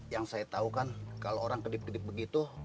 yang saya tahu kan kalau orang kedip kedip begitu